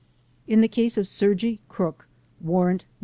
In the case of Sergy Krook (War rant No.